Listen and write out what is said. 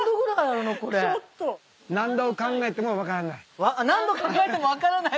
ナンド考えても分からない。